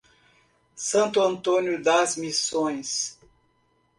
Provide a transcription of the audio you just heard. Santo Antônio das Missões